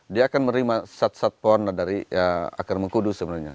dia akan menerima sat satpon dari akar mengkudu sebenarnya